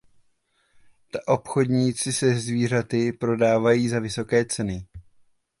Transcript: Ta obchodníci se zvířaty prodávají za vysoké ceny.